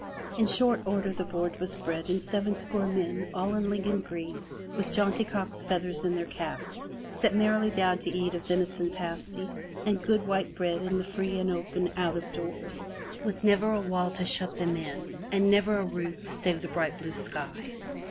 In short order the board was spread and sevenscore men all in Lincoln green, with jaunty cock's feathers in their caps, sat merrily down to eat of venison pasty and good white bread in the free and open out of doors, with never a wall to shut them in and never a roof save the bright blue sky.